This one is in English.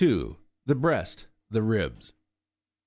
— the breast: the ribs.